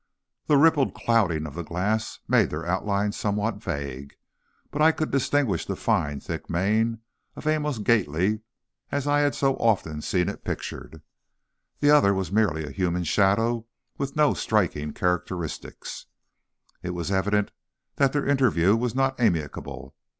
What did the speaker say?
The rippled clouding of the glass made their outlines somewhat vague, but I could distinguish the fine, thick mane of Amos Gately, as I had so often seen it pictured. The other was merely a human shadow with no striking characteristics. It was evident their interview was not amicable.